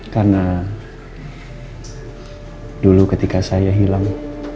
karena dulu ketika saya hilang